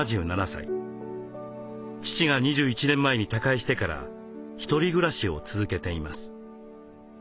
父が２１年前に他界してから一人暮らしを続けています。